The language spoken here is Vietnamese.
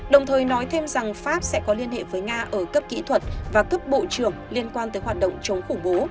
đồng thời nói thêm rằng pháp sẽ có liên hệ với nga ở cấp kỹ thuật và cấp bộ trưởng liên quan tới hoạt động chống khủng bố